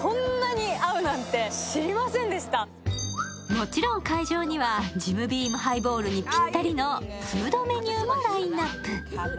もちろん会場にはＪＩＮＢＥＡＭハイボールにピッタリのフードメニューもラインナップ。